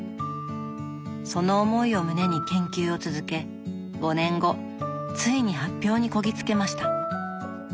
その思いを胸に研究を続け５年後ついに発表にこぎ着けました。